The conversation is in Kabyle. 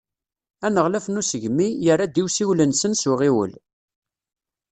Aneɣlaf n usegmi, yerra-d i usiwel-nsen s uɣiwel.